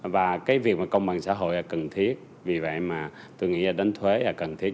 và cái việc mà công bằng xã hội là cần thiết vì vậy mà tôi nghĩ là đánh thuế là cần thiết